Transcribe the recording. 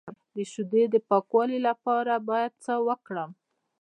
د شیدو د پاکوالي لپاره باید څه وکړم؟